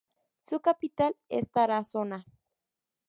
Su capital es Tarazona.